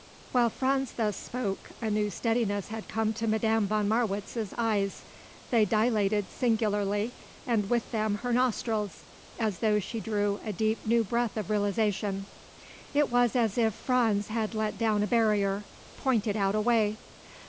While Franz thus spoke a new steadiness had come to Madame von Marwitz's eyes. They dilated singularly, and with them her nostrils, as though she drew a deep new breath of realisation. It was as if Franz had let down a barrier; pointed out a way.